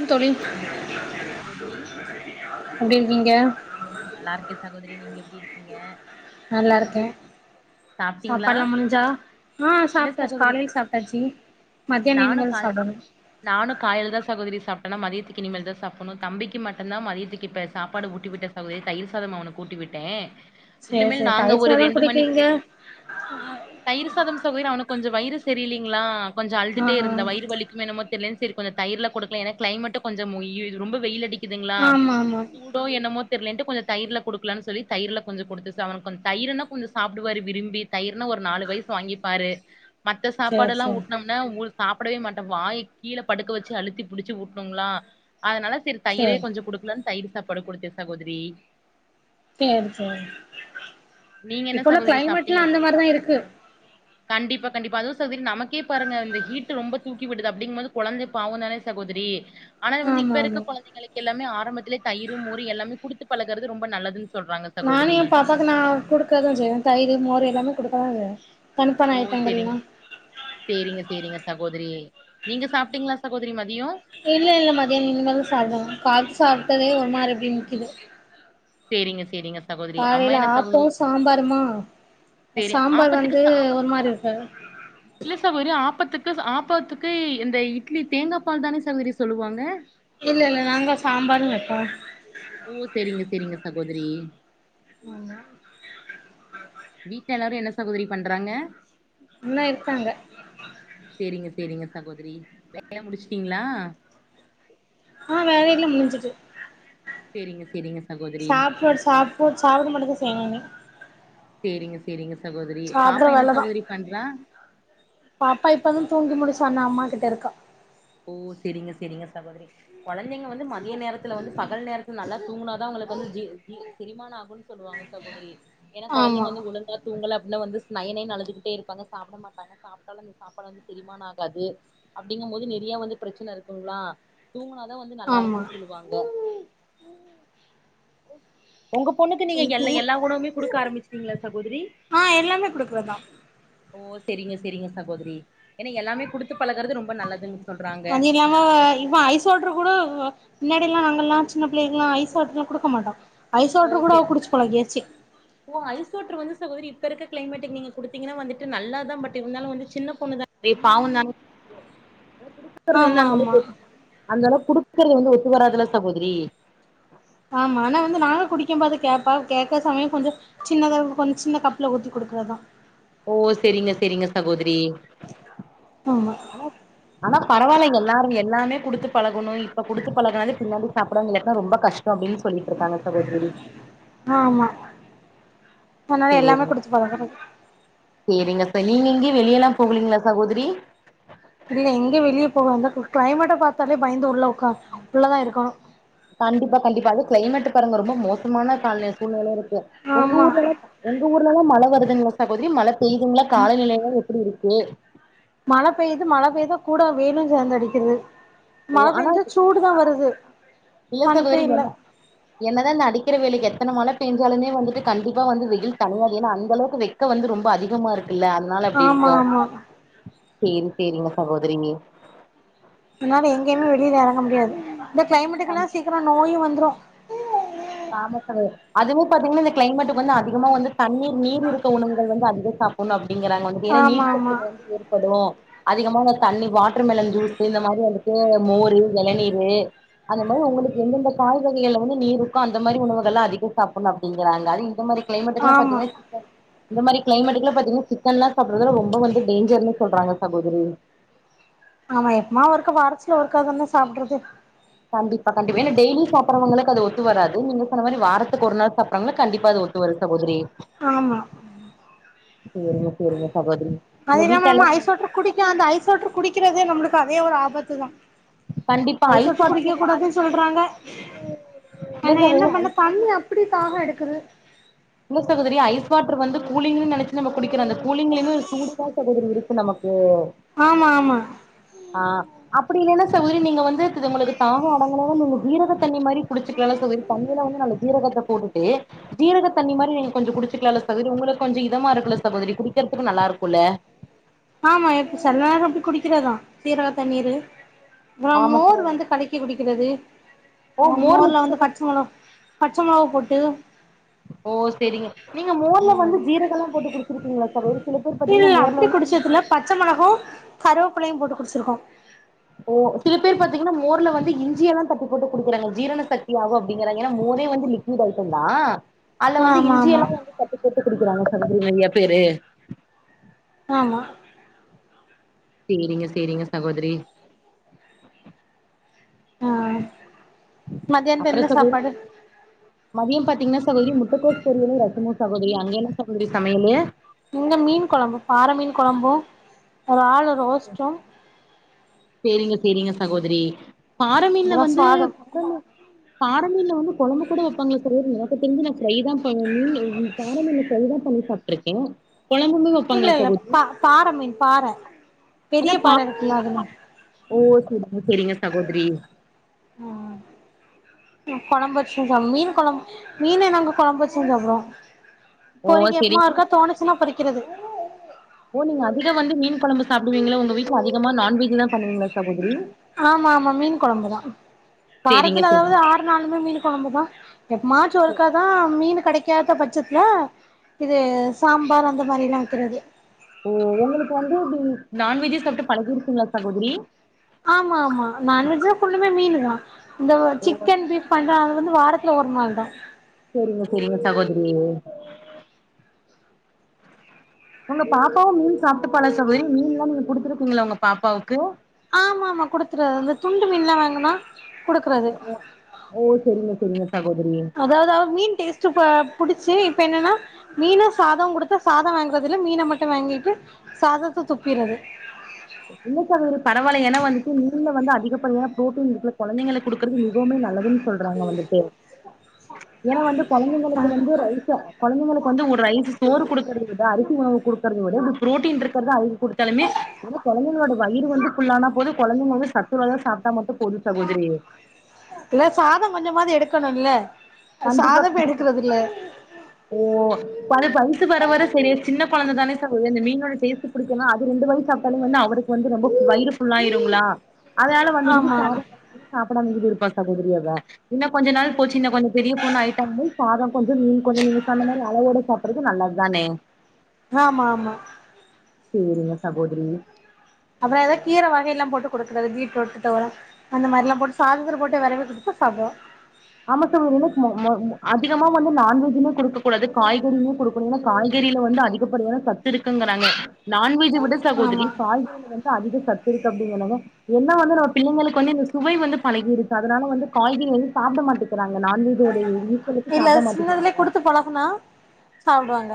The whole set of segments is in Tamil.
ம் தோழி மதிய வணக்கம் சகோதரி எப்டி இருக்கீங்க நல்லா இருக்கேன் சகோதரி நீங்க எப்டி இருக்கீங்க நல்லா இருக்கேன் சாப்ட்டீங்களா சாப்பாடுலாம் முஞ்சா ஆ இல்ல சாப்ட்டாச்சு சகோதரி காலைல சாப்ட்டாச்சு மதியானம் இனிமேல் சாப்டணும் நானும் காயலதான் சகோதரி சாப்டன் மதியத்துக்கு இனிமேல் தான் சாப்டணும் தம்பிக்கு மட்டும்தான் மதியத்துக்கு இப்ப சாப்பாடு ஊட்டி விட்டு [inaudible] தயிர் சாதம் அவனுக்கு ஊட்டி விட்டேன் சேரி இனிமேல் சேரி நாங்க தயிர் ஒரு சாதோ ரெண்டு மணிக் குடிக்கிறீங்க தயிர் சாதம் சகோதரி அவனுக்கு கொஞ்சம் வயிறு சரியில்லிங்களா கொஞ்சம் ஆ அழுதுட்டே ஆ இருந்தான் வயிறு வலி என்னமோ தெர்லே செரி கொஞ்சம் தயிர்ல கொடுக்கல க்ளைமட்டு கொஞ்சம் மொய்ய் ரொம்ப வெயில் அடிக்கு க்குதுங்களா ஆமா ஆமா தோ என்னமோ தெர்லனுட்டு கொஞ்சோம் தயிர்ல கொடுக்கலானு சொல்லி தயிர்ல கொஞ்சம் கொடுத்து அவனுக்கு தயிர் ருனா கொஞ்சம் சாப்ட்டுருவாரு விரும்பி தயர்னா ஒரு நாலு வயசு வாங்கிப்பாரு மத்த சேரி சாப்பாடலாம் சேரி ஊட்னம் உட்னம் சாப்பிடவே மாட்டான் வாய் கீழ படுக்க வச்சு அழுத்தி புடிச்சு ஊட்டணும்ங்களா அதனால செரி தயிரே சேரி கொஞ்சோம் குடுக்கலனு தயிர் சாப்பாடு குடுத்தேன் சகோதரி செரி செரி நீங்க என்ன இப்பல்லாம் சகோதரி சாப்ட்டீங்க கிளைமேட்லாம் அந்த மாதிரிதான் இருக்கு கண்டிப்பா கண்டிப்பா அதுவும் சகோதரி நமக்கே பாருங்க இந்த ஹீட் ரொம்ப தூக்கி விடுது அப்படிங்கும் மோது குழந்த பாவம் தானே ச சகோதரி ஆனா வந்து ஆமா இப்ப இருக்க ஆமா குழந்தைங்களுக்கு எல்லாமே ஆரம்பத்துலே தயிர் மோர் எல்லாமே குடுத்து பழகுறது ரொம்ப நல்லதுன்னு சொல்றாங்க சகோதெரி அது நான் கொடுக்கதான் செய்வன் தயிரு மோரு எல்லாமே குடுக்க தான் செய்வன் ஓ செரிங்க செரிங்க செரிங்க சகோதரி நீங்க சாப்ட்டீங்களா சகோதரி மதியோ இல்ல இல்ல மதியானோ இனிமேதா சாப்புடனு கால்ல சாப்டதே ஒரு மாரி அப்டி நிக்கிது செரிங்க செரிங்க காலையில ஆப்போ சாம்பாருமா சரி சாம்பார் ஆப்பத்துக்கு வந்து சா ஒரு மாரி வப்ப இல்ல சகோரி ஆப்பத்துக்கு ஆப்பத்துக்கு இந்த இட்லி தேங்கா பால் தானே சகோதரி சொல்லுவாங்க இல்ல இல்ல நாங்க சாம்பாரு வெப்போ ஓ செரிங்க செரிங்க சகோதரி ஆமா வீட்ல எல்லாரு என்ன சகோதரி பண்றாங்க ல்லா இருக்காங்க செரிங்க செரிங்க சகோதரி வேலைலா முடிச்சிடீங்ளா ஆ வேலையெல்லா முடிஞ்சுட்டு சேரிங்க சேரிங்க சகோதரி சாப்புட் சாப்புட் சாப்பட மட்டு தா செய்வநானு செரிங்க செரிங்க சகோதரி சாப்டுற பாப்பா என்ன வேலதா சகோதரி பண்றா பாப்பா இப்பதா தூங்கி முழிசா அந்த அம்மா கிட்ட இருக்கா ஓ செரிங்க செரிங்க சகோதரி குழந்தைங்க வந்து மதிய நேரத்துல வந்து பகல் நேரத்துல நல்லா தூங்குனாதா அவங்களுக்கு வந்து ஜீஜீ செரிமான ஆகுன் சொல்லுவாங்க சகோதரி ஏனா ஆமா குழந்தைங்க வந்து ஒழுங்கா துங்கல அப்டினா வந்து நய் நய்னு அழுதுகிட்டே இருபாங்க சாப்ட மாட்டாங்க சாப்டாலும் அந்த சாப்பாடு வந்து செரிமானம் ஆகாது அப்டிங்கு போது நேத் தியா வந்து பிரச்சன இருக்குங்ளா தூங்குனாதா வந்து ஆமா நல்லாருக்குனு சொல்லுவாங் க உங்க பொண்ணுக்கு நீங்க இது எல்லா எல்லா உணவுமே குடுக்க ஆரம்பிச்சிடீங்ளா சகோதரி ஆ எல்லாமே குடுக்கறதா ஓ செரிங்க செரிங்க சகோதரி ஏனா எல்லாமே குடுத்து பழகறது ரொம்ப நல்லதுன் சொல்றாங்க ஆ இவ ஐஸ்வாட்டர் குடோ முன்னாடியெல்லா நாங்கல்லா சின்ன பிள்ளைகள்லா ஐஸ் வாட்ர்லா குடுக்கமாட்டோ ஐஸ் வாட்ரு கூடோ குடிச்சி பழகியாச்சி ஓஐஸ் வாட்ரு வந்து சகோதரி இப்ப இருக்க கிளைமேட்டுக்கு நீங்க குடுத்தீங்கனா வந்துட்டு நல்லா தா பட் இருந்தாலு வந்து சின்ன பொண்ணுதா டே பாவுதாங்க குடுக்கறது ஆமா வந்து அந்த ஆமா அளவுக் அந்த அளவுக் குடுக்கறது வந்து ஒத்து வராதில்ல சகோதரி ஆமா ஆனா வந்து நாங்க குடிக்கு பேது கேப்பா கேக்க சமயோ கொஞ்ச சின்னதா கொஞ்ச சின்ன கப்புல ஊத்தி குடுக்கறதா ஓ செரிங்க செரிங்க சகோதரி ஆமா ஆனாக் ஆனா பரவாயில்லங்க எல்லாரும எல்லாமே குடுத்து பழகணு இப்ப குடுத்து பழகுனாதா பின்னாடி சாப்படுவாங்க இல்லாட்னா ரொம்ப கஷ் இப்போஅப்டின் சொல்லிட்ருக்காங்க சகோதரி ஆமா அதனால எல்லாமே குடுத்து பழகணு செரிங்க இப்பநீங்க எங்கியு வெளியெல்லா போகலிங்களா சகோதரி இல்ல எங்க வெளியே போகந்த கிளைமேட்ட பாத்தாலே பயந்து உள்ள உக்கா உள்ளதா இருக்கோ கண்டிப்பா கண்டிப்பா அது கிளைமேட் பாருங்க ரொம்ப மோசமான கால சூழ்நிலை இருக்கு உங்க ஆமா ஊர்ல உங்க ஊர்லலா மழ வருதுங்களா சகோதரி மழ பெய்துங்ளா காலநிலைலா எப்டி இருக்கு மழ பெய்து மழ பெய்து கூட வெயிலு சேர்ந்து அடிக்கிது மழ ஓ ஆனா பேஞ்சா சூடுதா வருது இல்ல தனிப்பே சகோதரி இல்ல [unintelligible] என்னதா இந்த அடிக்கற வெயிலுக்கு எத்தன மழ பேஞ்சாலுமே வந்துட்டு கண்டிப்பா வந்து வெயில் தனியாது ஏன்னா அந்த அளவுக்கு வெக் வெக்க வந்து ரொம்ப அதிகமா இருக்குல்ல அதனால அப்டி ஆமா இருக்கு ஆமா செரி செரிங்க சகோதரி என்னால எங்கயுமே வெளில எறங்க முடியாது இந்த ஆ கிளைமேட்டுக்கு எல்லா சீக்கரோ நோயு வந்துரு ஆமப்பு அதுவு பாத்தீங்கன்னா இந்த கிளைமேட்டுக்கு வந்து அதிகமா வந்து தண்ணீர் நீர் இருக்க உணவுகள் வந்து அதிக சாப் புன்னு அப்டிங்கிறாங்க உனக்கு ஏனா ஆமா ஆமா நீர்பத்துல வந்து ஏற்படு அதிகமா தண்ணி வாட்டர் மெலன் ஜூஸ்ஸு இந்த மாரி வந்துட்டு மோரு எளநீரு அந்த மாரி உங்களுக்கு எந்தெந்த காய் கறிகல வந்து நீர் இரு க்கு அந்த மாரி உணவுகள்லா அதிக சாப்பின்ணு அப்டிங்கிறாங்க அது இந்த மாரி கிளைமேட்டுக் எல்லா ஆமா பாத்தீங்கன்னா இந்த மாரி கிளைமேட்க்கெல்லா பாத்தீங்கன்னா சிக்கன்லா சாப்டுறது ரொம்பவந்து டேஞ்சர்ன்னு சொல்றாங்க சகோதரி ஆமா எப்பமா ஒருக்க வாரத்தில ஒருக்கா தான சாப்பிற்து கண்டிப்பா கண்டிப்பா ஏனா டெய்லி சாப்டுறவங்களுக்கு அது ஒத்து வராது நீங்க சொன்ன மாரி வாரத்துக்கு ஒரு நாள் சாப்டுறாங்கனா கண்டிப்பா அது ஒத் [unintelligible] போச்சீடி ஆமா செரிங்க செரிங்க சகோதிரி அது இல்லாம நம்ம ஐஸ் வாட்டர் குடிக்க அந்த ஐஸ் வாட்டர் குடிக்கிறதே நம்மளுக்கு அதே ஒரு ஆபத்து தா ஐஸ் வாட்டர் குடிக்க கூடாதுன்னு சொல்றாங்க இல்ல ஆனா என்ன சகோதரி பண்ண தண்ணி அப் அப்டி தாகோ எடுக்குது இல்ல சகோதிரி ஐஸ் வாட்டர் வந்து கூலிங்குன்னு நெனைச்சு நம்ம குடிக்கிறோ அந்த கூலிங்கலியுமே ஒரு சூடு தா சகோதிரி இருக்கு நமக்கு ஆமா ஆமா ஆ அப்டி இல்லன்னா சகோதிரி நீங்க வந்து உங்களுக்கு தாகோ அடங்கலனா நீங்க ஜீரக தண்ணி மாறி குடிச்சுக்கலாம்ல சகோதிரி தண்ணியில வந்து நாலு ஜீரகத்த போட்டுட்டு ஜீரகத் தண்ணிமாதிரி நீங்க கொஞ்சோ குடிச்சிக்கலாம்ல்ல சகோதரி உங்களுக்கு கொஞ்சோ இதமா இருக்குல்ல சகோதிரி குடிக்கிறதுக்கு நல்லா இருக்குல்ல ஆமா எப்ப சில நேரோ அப்டி குடிக்கிறதா சீரக தண்ணீரு அப்றோ ஆமா மோர் சகோதரி வந்து கலக்கி குடிக்கிறது ஓ மோர்ல வந்து ஜீரக பச்ச முளா பச்ச மொளகா போட்டு ஓ செரிங்க நீங்க மோர்ல அந்த வந்து மாதிரி ஜீரக எல்லா போட்டு குடிச்சிருக்கீங்களா சகோதிரி சில பேர் பாத்தீங்கன்னா இல்ல மோர்ல வந்து [unintelligible] பச்ச மிளகு கருவேப்பிலையு போட்டு குடிச்சிருக்கோ ஓ சில பேர் பாத்தீங்கன்னா மோர்ல வந்து இஞ்சி எல்லா தட்டி போட்டு கொடுக்கறாங்க ஜீரண சக்தி ஆகு அப்டிங்கறாங்க ஏனா மோரே வந்து லிக்விட் ஐட்டதா அதுல வந்து ஆமா இஞ்சி ஆமா எல்லா வந்து தட்டி போட்டு குடிக்கிறாங்க செல பேரு நெறைய பேரு ஆமா சேரிங்க சேரிங்க சகோதிரி ஆ மத்தியானத்து அப்றோ என்ன சகோ சாப்பாடு மதியோ பாத்தீங்கன்னா சகோதரி முட்டக்கோஸ் பொரியளு ரசமு சகோதரி அங்க என்ன சகோதரி சமயலு இங்க மீன் கொழம்பு பாற மீன் கொழம்பும் ஒரு ஆள் ரோஸ்ட்டு சேரிங்க சேரிங்க சகோதரி பாரமீன்ல அப்புறோ வந்து சாதம் கொ பாரமீன்ல வந்து கொழம்ப கூட வைப்பாங்களா சகோதிரி எனக்கு தெரிஞ்ச நா ஃபிரை தா பண்ணி பாற மீன்ல ஃபிரை தா பண்ணி சாப்டுக்குற இருக்கே இல்ல இல்ல பா பாற மீன் பாற பெரிய அதா பா பாற இருக்குல்ல அதுதா ஓ சரி சரிங்க சகோதிரி [inaudible] கொழம்பு வச்ச மீன் கொழம்ப மீன்ன நாங்க கொழம்பு வச்சிதா சாப்பிடுவோ ஓ பொரிங்க சேரிங்க எப்பமா இருக்கா தோணுச்சுன்னா பறிக்கிறது ஓ நீங்க அதிக வந்து மீன் கொழம்பு சாப்பிடுங்கள உங்க வீட்டுல அதிகமா நான்வஜ் தா பண்ணுவீங்களா சகோதரி ஆமா ஆமா மீன் கொழம்புதா சேரிங்க வாரத்துல அதாவுது சேரிங்க ஆ எந்நாளுமே மீன் கொழம்புதா எப்பமாச்சு ஒருக்காதா மீன் கெடைக்காத பட்சத்துல இது சாம்பார் அந்த மாரி எல்லா வைக்கிறது ஓ உங்களுக்கு வந்து நான்வெஜ்ஜே சாப்டு பழகிருக்கும்ல சகோதரி ஆமா ஆமா நான்வெஜ் னா ஃப்புல்லுமே மீனு தா இந்த சிக்கன் பீஃப் பண்ற அது வந்து வாரத்துல ஒரு நாள் தா செரிங்க செரிங்க சகோதிரியே உங்க பாப்பாவு மீன் சாப்டுப்பாளா சகோதரி மீன் எல்லா நீங்க குடுத்துருக்கீங்களா உங்க பாப்பாவுக்கு ஆமா ஆமா குடுத்துருவே அந்த துண்டு மீன்லா வாங்குனா குடுக்குறது ஓ செரிங்க செரிங்க சாகோதிரியே அதாவது அவ மீன் டேஸ்ட் ப புடிச்சு இப்ப என்னனா மீனு சாதோமு குடுத்தா சாதோ வாங்கறது இல்ல மீன மட்டு வாங்கிட்டு சாதத்த துப்பிட்றது இல்ல சகோதரி பரவால்ல ஏனா வந்துட்டு மீன்ல வந்து அதிகப்படியான ப்ரோட்டீன் இருக்குல குழந்தைங்களுக்கு குடுக்குறது மிகவுமே நல்லதுனு சொல்றாங்க வந்துட்டு ஏ வந்து கொழந்தைகங்ளுக்கு வந்து ரைசா குழந்தைகளுக்கு வந்து ஒரு ரைஸ் சோறு கொடுக்கறத விட அரிசி உணவு கொடுக்கறத விட இப்டி பு்ரோட்டீன் இருக்கறது அவுங் குடுத்தாலுமே குழந்தைங்களோட வயிறு வந்து ஃபுல்லானா போது குழந்தைங்க வந்து சத்துள்ளதா சாப்டா மட்டு போது சகோதிரியே இல்ல சாதோ கொஞ்சமாது எடுக்கணு இல்ல கண்டிப்பா கண்டிப்பா ஓ அது வயசு வர வர செரியாயிடு சின்ன கொழந்த தானே சகோதரி இந்த மீனோ டேஸ்ட் பிடிக்கனு அது ரெண்டு வாய் சாப்டாலுமே வந்து அவருக்கு வந்து ரொம்ப வயிறு ஃபுல்லாயிருங்களா அதனால வந்துட்டு ஆமா சாதோ சாப்டாம கீது இருப்பா சகோதிரி அவ இன்னு கொஞ்ச நாள் போச்சு இன்னு கொஞ்ச பெரிய பொண்ணா ஆயிட்டாலுமே சாதோ கொஞ்சோ மீன் கொஞ்சோ நீங்க சொன்ன மாரி அளவோடு சாப்பிடுறது நல்லது தானே ஆமா ஆமா செரிங்க சகோதிரி அப்புறம் ஏதாவ கீரை வக எல்லாம் போட்டு கொடுக்குறது [unintelligible] அந்த மாரிலா போட்டு சாதத்துல போட்டு வெரவி குடுத்தா சாப்டுவா ஆமா சகோதரி மொ மொ அதிகமா வந்து நான்வெஜ்ஜுமே குடுக்க கூடாது காய்கறிகளு குடு ங்க காய்கறில வந்து அதிகப்படியான சத்து இருக்குங்கிறாங்க நான்வெஜ விட சகோதரி ஆமா காய்கறி வந்து அதிக சத்துருக்கு அப்டிங்கனங்க என்ன வந்து நம்ம பிள்ளைங்களுக்கு வந்து இந்த சுவை வந்து பழகிடுச்சு அதனால வந்து காய்கறி வந்து சாப்ட மாட்டிக்கிறாங்க நான்வெஜோட எதியு இல்ல சின்னதுலே குடுத்து பழகுனா சாப்டுவாங்க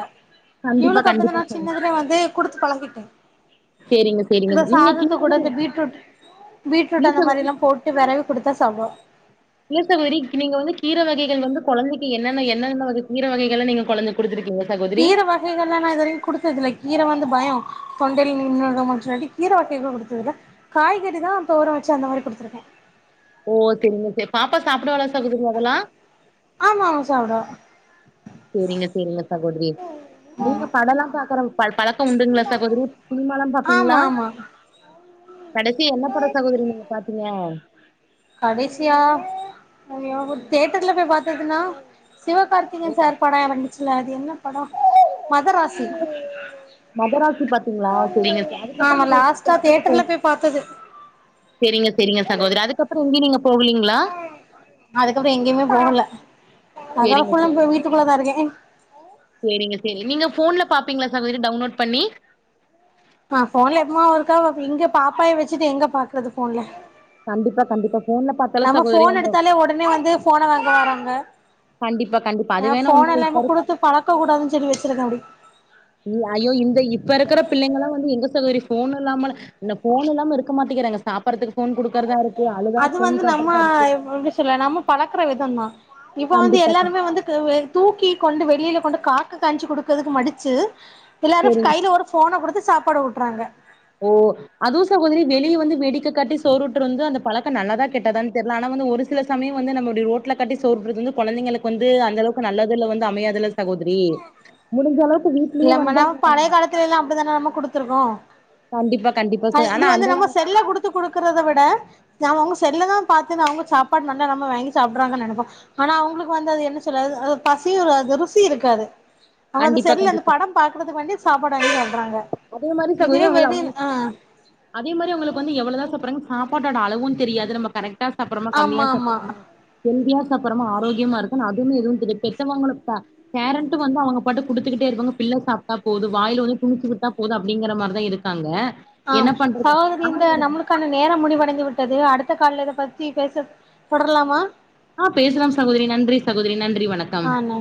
கண்டிப்பா இவளுக்கு அப்டிதா கண்டிப்பா நா சகோ சின்னதுலே வந்து குடுத்து பழகிட்டே சேரிங்க சேரிங்க இந்த நீங்க சாதத்து கீரைல கூட இந்த பீட்ரூட் பீட்ரூட் இல்ல அந்த சகோ மாதிரி எல்லா போட் டு வெரவி குடுத்தா சாப்டுவா இல்ல சகோதரி நீங்க வந்து கீர வகைகள் வந்து கொழந்தைக்கு என்னென்ன என்னென்ன வகை கீர வகைகள்லா நீங்க கொழந்தைக்கு குடுத்துருக்கீங்க சகோதரி கீர வகைகெல்லா நா இது வரைக்கு குடுத்தது இல்ல கீர வந்து பயோ தொண்டல் நின் சொன்னாி கீர வைக்க கொடுத்ததுல காய்கறி தா அப்ப ஓரோ வச்சு அந்த மாரி குடுத்துருக்கே ஓ செரிங்க செரி பாப்பா சாப்டுவாளா சகுதுங்க அதெல்லா ஆமா ஆமா சாப்டுவா செரிங்க செரிங்க சகோதரி நீங்க படோல்லா பாக்குற பழக்கம் உண்டுங்களா சகோதிரி சினிமா லா ஆமா பாப்பீங்ளா ஆமா கடைசி என்ன படோ சகோதிரி நீங்க பாத்தீங்க கடைசியா ஐயோ தியேட்டர்ல போய் பாத்ததுனா சிவகார் திகேய ஓ, சார் படோ எறங்குச்சுல அது என்ன படோ மதராச மதராசி பாத்தீங்களா சரிங்க சார் அதுக்கப்புறம் ஆமா நீங்க லாஸ்ட்டா சே போ தேட்டர்ல போய் பாத்தது சரிங்க சரிங்க சகோதரி அதுக்கப்புறம் எங்கய நீங்க போகலீங்களா அதுக்கப்புறம் எங்கேயுமே போகல சரிங்க அதுக்கற சரிங்க வீட்டுக்குள்ள தா இருக்கே சரிங்க சரி நீங்க போன்ல பாப்பீங்களா சங்க வீட்டு டவுன்லோட் பண்ணி ஆஹ் போன்ல எப்பமா ஒருக்கா எங்க பாப்பாவை வச்சுட்டு எங்க பாக்குறது போன்ல கண்டிப்பா கி போன்ல பா நம்ம போன் எடுத்தாலே உடனே வந்து போனை வாங்க வறங்க கண்டிப்பா கண்டிப்பா அது ஆ வேணா போன் உண்ம எல்லாமே இப்ப குடுத்து பழக்க கூடாதுன்னு சொல்ல வச்சிருக்கே அப்படி ஐயோ இந்த இப்ப இருக்கிற பிள்ளைங்காம் வந்து எங்க சகரி ஃபோன் இல்லாம இன போன் இல்லாம இருக்க மாட்டேறாங்க சாப்பறக்கு போன் குடுக்கறதா இருக்கு அழுதா அது ஃபோன் வந்து நம்ம காட்டுறதா இருக்கு எப்படி சொல்ல நம்ம பழக்கற வித்தான் இப்ப வந்து கண்டிப்பாக்கா எல்லாருமே வந்து தூக்கி கொண்டு வெளியில கொண்டு காக்கு காயஞ்சு கொடுக்கறதுக்கு மடிச்சு எல்லாரும் சரிங்க கில ஒரு போனை கொடுத்து சாப்பாடு விட்டுறாங்க ஓ அது சகுதிரரி வெளியே வந்து வெடிக்கை காட்டி சோறுட்டுரு வந்து அந்த பழக்கம் நல்லதா கேட்டதான்னு தெரியல ஆனா வந்து ஒரு சில சமயம் வந்து நம்மடைய ரோட்ல கட்டி சோறுறது வந்து குழைளுக்கு வந்து அந்த அளவுக்கு நல்லதுல வந்து அமையாதது தகோதரி முடிஞ்ச அளவுக்கு வீட்லயே வந்த எல்லாம் அப்படித்தானே நம்ம கொடுத்துருக்கோம் கண்டிப்பா கண்டிப்பா சார். இது ஆனா வந்து அந்த நம்ம செல்ல கொடுத்து த்து கொடுக்குறதை விட நம் அவங்க செல்லதா பார்த்தேன்னா அவங்க சாப்பாடு நல்லா நம்ம வாங்கி சாப்பிடுறாங்கன்னு நினைப்போ ஆனா அவங்களுக்கு வந்து அது என்ன சொல்லாது அது பசி ஒரு அது ருசி இருக்காது அவனது கண்டிப்பா செரிய அந்த கண்டிப்பா படம் பாக்குறதுக்கு வேண்டி சாப்பாடு சொல்றாங்க அதே மாரி இதுவே சகோதரி அவங்க வெளிய ஆ அதே மாதிரிங்களுக்கு வந்து எவளோதான் சொல்றாங்க சாட அளவும் தெரியாது நம்மரெக்டா சாப்பிடறோமா ஆமா ஆமா கம்மியாப்படுறமா ஹெதியாப்பறமா ஆரோக்கியமா இருக்கு அதுவும எதுவும் தெரிய பெத்தவங்களுக்கு கரண்ட் வந்து அவங்க பாட்டு குடுத்துக்கிட்டே இருப்பாங்க பிள்ளை சாப்பிட்டா போகுது வாயல வந்து துணச்சுக்கிட்டா போதும் அப்படிங்கிற மாதிரிதா இருக்காங்க ம் என்ன ச பண்றது ஆனா இந்த ஒரு நம் க்கான நேரம் முடிவடைந்து விட்டது அடுத்த கால இதை பத்தி பேச தொடரலாமா ஆஹ் பேசுற சகோதரி நன்றி சகோதரி நன்றி வணக்கம் ஆ நன்றி